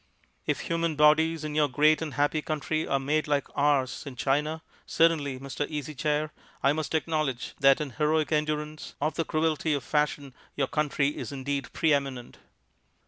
If human bodies in your great and happy country are made like ours in China, certainly, Mr. Easy Chair, I must acknowledge that in heroic endurance of the cruelty of fashion your country is indeed pre eminent."